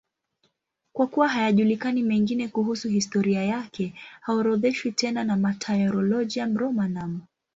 Kwa kuwa hayajulikani mengine kuhusu historia yake, haorodheshwi tena na Martyrologium Romanum.